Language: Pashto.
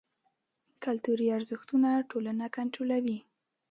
کلتوري ارزښتونه ټولنه کنټرولوي.